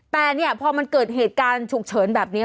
แต่เนี่ยพอมันเกิดเหตุการณ์ฉุกเฉินแบบนี้